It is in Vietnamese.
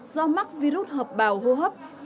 do mắc virus hợp bào hô hấp